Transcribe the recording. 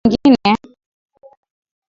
Seattle alikuwa msichana mwingine